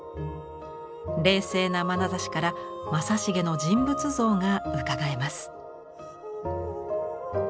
冷静なまなざしから正成の人物像がうかがえます。